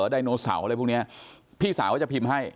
ไดโนเสาร์อะไรพวกนี้พี่สาวก็จะพิมพ์ให้